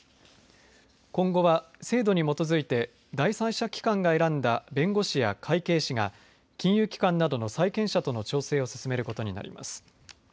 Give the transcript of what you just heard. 今後は制度に基づいて第三者機関が選んだ弁護士や会計士が金融機関などの債権者との調整を進めることになります。